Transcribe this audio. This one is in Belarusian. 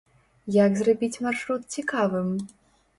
Як зрабіць маршрут цікавым?